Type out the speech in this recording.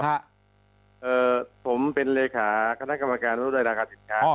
ผมเป็นเลขาคณะกรรมการรถด้วยราคาสินค้า